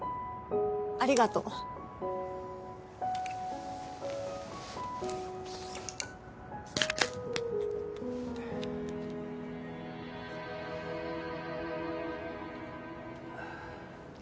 ありがとう。ああ。